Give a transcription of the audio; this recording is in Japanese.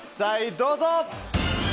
どうぞ！